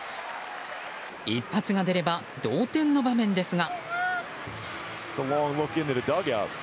一発が出れば同点の場面ですが。